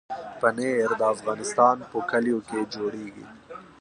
پنېر د افغانستان په کلیو کې جوړېږي.